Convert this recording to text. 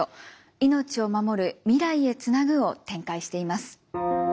「命をまもる未来へつなぐ」を展開しています。